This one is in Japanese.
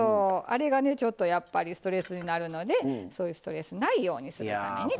あれがねちょっとやっぱりストレスになるのでそういうストレスないようにするために。